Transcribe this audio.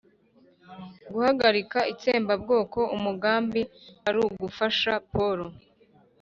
guhagarika itsembabwoko, umugambi ari ugufasha paul